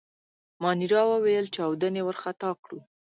مانیرا وویل: چاودنې وارخطا کړو.